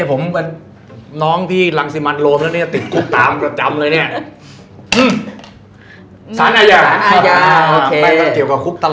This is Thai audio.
ของผมน้องพี่รังสิมัลโรชด์แล้ว